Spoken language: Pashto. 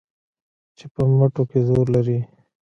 چې په مټو کې زور لري